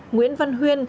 nguyễn văn huyên